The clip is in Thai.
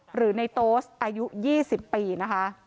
หรือในโต๊สอายุ๒๐ปีนะคะ